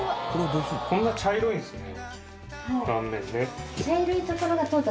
こんな茶色いんですね断面ね。